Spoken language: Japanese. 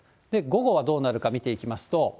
午後はどうなるか見ていきますと。